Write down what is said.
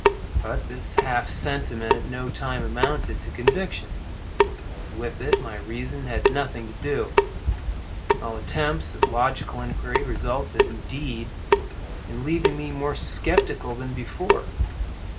But this half sentiment at no time amounted to conviction. With it my reason had nothing to do. All attempts at logical inquiry resulted, indeed, in leaving me more sceptical than before.